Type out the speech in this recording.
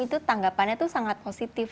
itu tanggapannya itu sangat positif